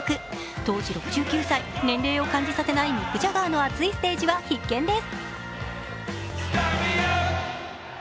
当時６９歳、年齢を感じさせないミック・ジャガーの熱いステージは必見です。